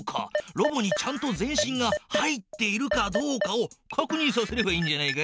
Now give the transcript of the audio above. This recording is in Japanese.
ロボにちゃんと全身が入っているかどうかをかくにんさせればいいんじゃないか？